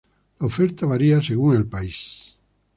La oferta varía según el país.